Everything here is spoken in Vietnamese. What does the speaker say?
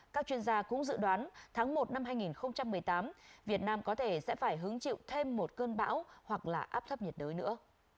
các chuyên gia cũng dự đoán tháng một năm hai nghìn một mươi tám việt nam có thể sẽ phải hứng chịu thêm một cơn bão hoặc là áp thấp nhiệt đới nữa